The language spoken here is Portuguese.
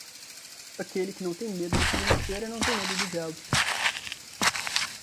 Aquele que não tem medo da segunda-feira não tem medo do diabo.